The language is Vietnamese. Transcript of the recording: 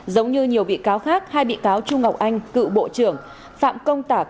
giống như nhiều bị cáo khác hai bị cáo trung ngọc anh cựu bộ trưởng phạm công tạc